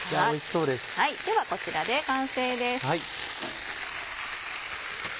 ではこちらで完成です。